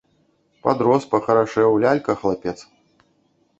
Падрос, пахарашэў, лялька хлапец.